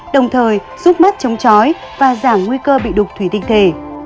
đồng thời giúp mắt chống chói và giảm nguy cơ bị đục thủy tinh thể